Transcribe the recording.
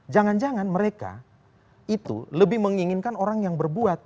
jangan jangan mereka itu lebih menginginkan orang yang berbuat